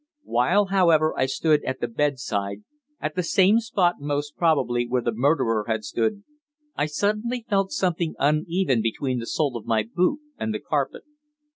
While, however, I stood at the bedside, at the same spot most probably where the murderer had stood, I suddenly felt something uneven between the sole of my boot and the carpet.